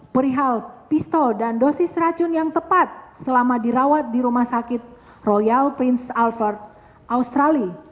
perihal pistol dan dosis racun yang tepat selama dirawat di rumah sakit royal prince alfred australia